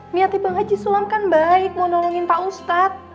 niatnya bang haji sulam kan baik mau nolongin pak ustadz